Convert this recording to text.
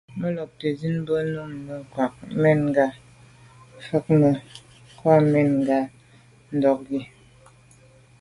Mə́ làptə̀ zín bú nùúm mə́ krwàá’ mɛ̂n ngà fa’ bú gə̀ mə́ krwàá’ mɛ̂n ngà ndɔ́ gí.